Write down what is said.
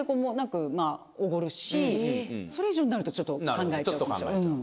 それ以上になるとちょっと考えちゃうかもしれない。